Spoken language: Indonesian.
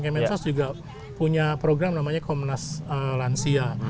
kementerian sosial juga punya program namanya komnas lansia